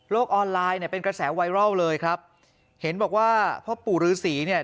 ออนไลน์เนี่ยเป็นกระแสไวรัลเลยครับเห็นบอกว่าพ่อปู่ฤษีเนี่ย